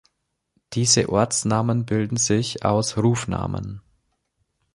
Diese Ortsnamen bildeten sich aus Rufnamen.